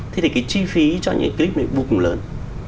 thế thì cái chi phí cho những cái clip này vô cùng lớn